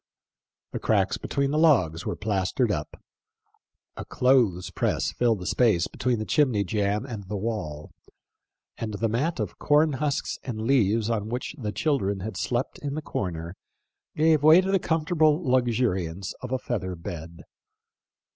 The cracks between the logs were plastered up. A clothes press filled the space between the chimney jamb and the wall, and the mat of corn husks and leaves on which the children had slept in the corner gave way to the comfortable luxuriance of a feather bed.